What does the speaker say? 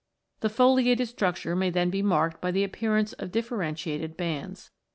The foliated structure may then be marked by the appearance of differentiated bands.